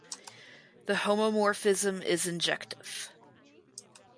The homomorphism is injective.